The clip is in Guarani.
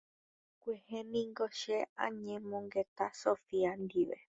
Kuehe ningo che añemongeta Sofía ndive.